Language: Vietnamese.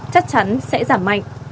chắc chắn sẽ giảm mạnh